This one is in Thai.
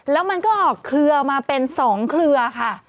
แล้วมันก็เขลือออกมาเป็น๒เขลือค่ะ